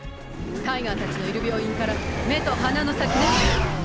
タイガーたちのいる病院から目と鼻の先ね。